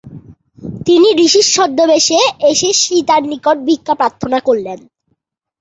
তিনি ঋষির ছদ্মবেশে এসে সীতার নিকট ভিক্ষা প্রার্থনা করলেন।